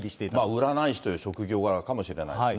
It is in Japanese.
占い師という職業柄かもしれないですね。